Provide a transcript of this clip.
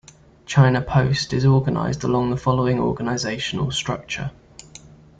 China Post is organized along the following organizational structure.